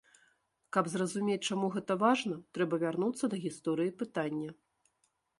Каб зразумець, чаму гэта важна, трэба вярнуцца да гісторыі пытання.